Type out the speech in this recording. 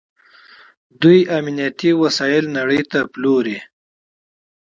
دوی امنیتي وسایل نړۍ ته پلوري.